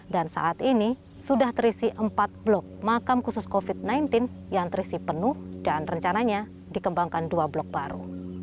dan saat ini sudah terisi empat blok makam khusus covid sembilan belas yang terisi penuh dan rencananya dikembangkan dua blok baru